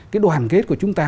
cái đoàn kết của chúng ta